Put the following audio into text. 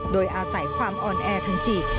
โดยอาศัยความอ่อนแอทางจิต